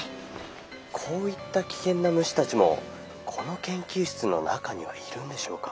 「こういった危険な虫たちもこの研究室の中にはいるんでしょうか？」。